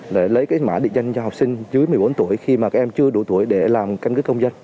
để lấy cái mã định danh cho học sinh dưới một mươi bốn tuổi khi mà các em chưa đủ tuổi để làm căn cứ công dân